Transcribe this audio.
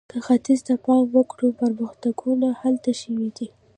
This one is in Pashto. که ختیځ ته پام وکړو، پرمختګونه هلته شوي دي.